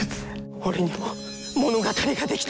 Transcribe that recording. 俺にも物語が出来た。